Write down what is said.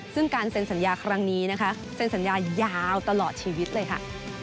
ซึ่งการเซ็นสัญญาครั้งนี้นะคะเซ็นสัญญายาวตลอดชีวิตเลยค่ะ